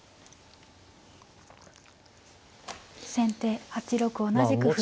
先手８六同じく歩。